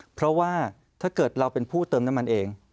เพราะว่าถ้าเกิดเราเป็นผู้เติมน้ำมันเอง